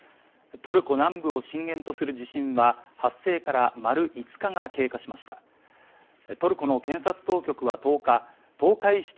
トルコ南部を震源とする地震は、発生から丸５日が経過しました。